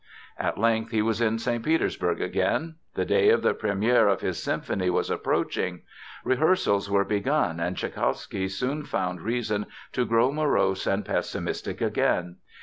At length he was in St. Petersburg again. The day of the première of his symphony was approaching. Rehearsals were begun and Tschaikowsky soon found reason to grow morose and pessimistic again.